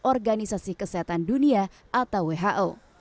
organisasi kesehatan dunia atau who